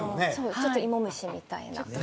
ちょっと芋虫みたいな。